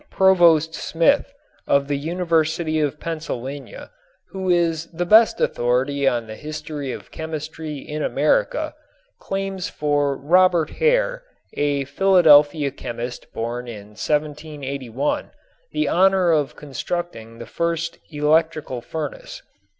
Provost Smith of the University of Pennsylvania, who is the best authority on the history of chemistry in America, claims for Robert Hare, a Philadelphia chemist born in 1781, the honor of constructing the first electrical furnace.